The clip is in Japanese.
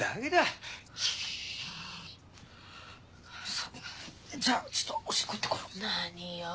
そうじゃちょっとおしっこ行ってこよう。